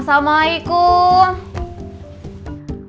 tidak ada yang bisa dikira